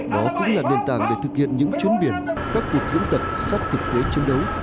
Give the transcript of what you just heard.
đó cũng là nền tảng để thực hiện những chuyến biển các cuộc diễn tập sát thực tế chiến đấu